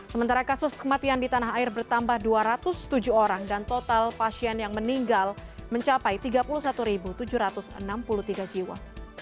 sementara kasus kematian di tanah air bertambah dua ratus tujuh orang dan total pasien yang meninggal mencapai tiga puluh satu tujuh ratus enam puluh tiga jiwa